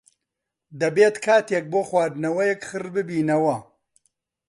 دەبێت کاتێک بۆ خواردنەوەیەک خڕببینەوە.